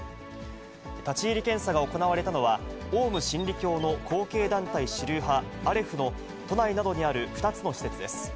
立ち入り検査が行われたのは、オウム真理教の後継団体主流派、アレフの都内などにある２つの施設です。